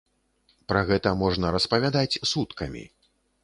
Пра гэта можна распавядаць суткамі.